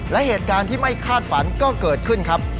และเหตุการณ์ที่ไม่คาดฝันก็เกิดขึ้นครับ